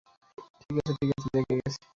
ঠিক আছে, ঠিক আছে, জেগে গেছি!